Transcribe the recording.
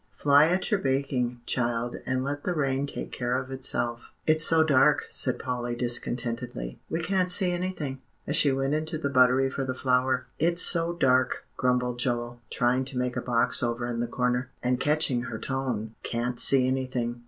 Fly at your baking, child, and let the rain take care of itself." [Illustration: "Dear me, yes," said Mrs. Pepper.] "It's so dark," said Polly discontentedly, "we can't see anything," as she went into the buttery for the flour. "It's so dark," grumbled Joel, trying to make a box over in the corner, and catching her tone, "can't see anything."